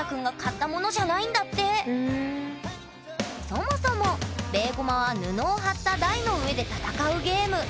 そもそもベーゴマは布を張った台の上で戦うゲーム。